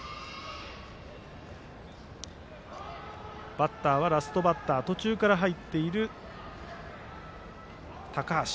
バッターはラストバッター途中から入っている高橋。